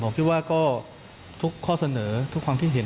ผมคิดว่าก็ทุกข้อเสนอทุกความคิดเห็น